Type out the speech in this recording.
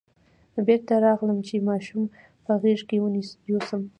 بېرته راغلم چې ماشوم په غېږ کې یوسم.